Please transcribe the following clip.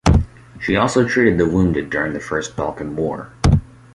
She also treated the wounded during the First Balkan War.